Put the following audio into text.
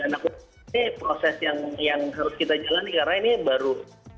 dan aku pikir ini proses yang harus kita jalani karena ini baru